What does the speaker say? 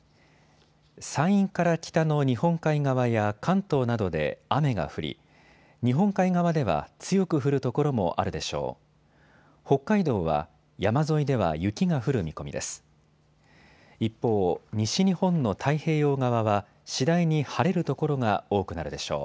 山陰から北の日本海側や関東などで雨が降り、日本海側では強く降る所もあるでしょう。